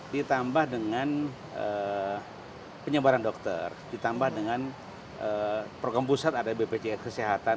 ditambah dengan penyebaran dokter ditambah dengan program pusat ada bpjs kesehatan